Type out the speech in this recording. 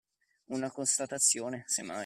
Una constatazione, se mai.